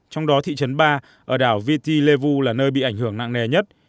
trong đó thị trấn ba ở đảo viti levu là nơi bị ảnh hưởng nặng nề nhất